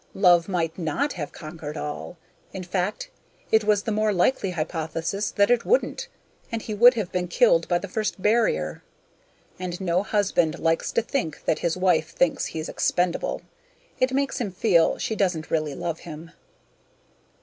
Love might not have conquered all in fact, it was the more likely hypothesis that it wouldn't and he would have been killed by the first barrier. And no husband likes to think that his wife thinks he's expendable; it makes him feel she doesn't really love him.